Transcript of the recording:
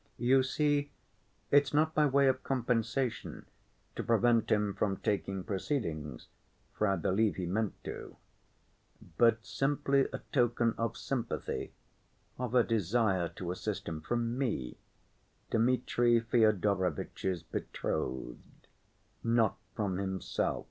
You see it's not by way of compensation to prevent him from taking proceedings (for I believe he meant to), but simply a token of sympathy, of a desire to assist him from me, Dmitri Fyodorovitch's betrothed, not from himself....